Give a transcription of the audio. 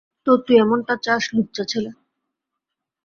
তো, তুই এমনটা চাস, লুচ্চা ছেলে?